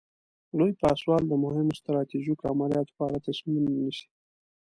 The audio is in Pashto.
لوی پاسوال د مهمو ستراتیژیکو عملیاتو په اړه تصمیمونه نیسي.